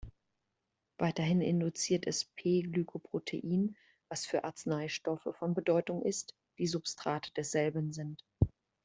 Weiterhin induziert es p-Glykoprotein, was für Arzneistoffe von Bedeutung ist, die Substrate desselben sind.